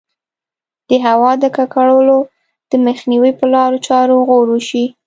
د هوا د ککړولو د مخنیوي په لارو چارو غور وشي.